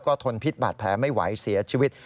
ทนพิษบาดแผลไม่ไหวเสียชีวิต